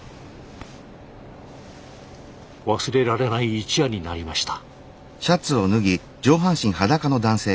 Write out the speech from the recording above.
忘れられない一夜になりました。